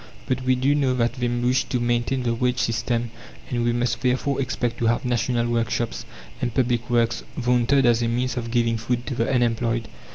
But we do know that they wish to maintain the wage system, and we must therefore expect to have "national workshops" and "public works" vaunted as a means of giving food to the unemployed.